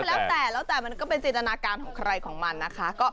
แล้วแต่แล้วแต่มันก็เป็นจินตนาการของใครของมันนะคะ